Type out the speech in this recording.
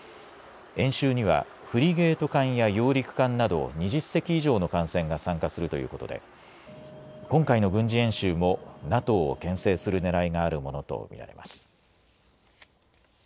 演習にはフリゲート艦や揚陸艦など２０隻以上の艦船が参加するということで今回の軍事演習もＮＡＴＯをけん制するねらいがあるものとみられます。